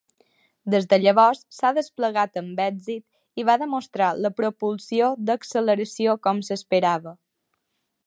Des de llavors s'ha desplegat amb èxit i va demostrar la propulsió d'acceleració com s'esperava.